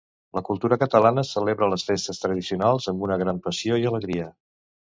La cultura catalana celebra les festes tradicionals amb una gran passió i alegria.